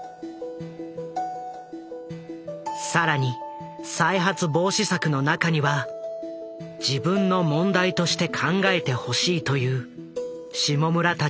更に再発防止策の中には「自分の問題として考えてほしい」という下村たちの願いも盛り込まれていた。